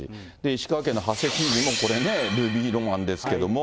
石川県の馳知事も、これね、ルビーロマンですけれども。